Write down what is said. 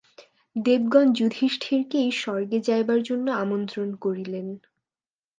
দেবগণ যুধিষ্ঠিরকে এই স্বর্গে যাইবার জন্য আমন্ত্রণ করিলেন।